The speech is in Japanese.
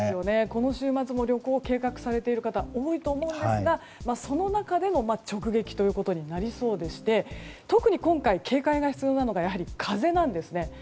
この週末も旅行を計画されている方が多いと思うんですがその中でも直撃となりそうでして特に今回、警戒が必要なのがやはり風なんですね。